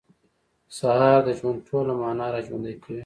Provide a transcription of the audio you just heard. سهار د ژوند ټوله معنا راژوندۍ کوي.